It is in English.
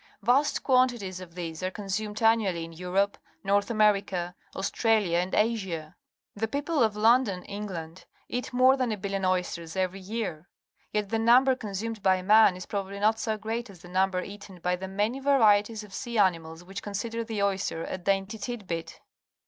Vast quantities of these are con sumed annually in Europe, North America, Australia, and Asia. The people of London, England, eat more than a billion oysters eveiy year. Yet the number consumed by man is probably not so great as the number eaten by the many varieties of sea animals which consider the 03'ster a dainty titbit.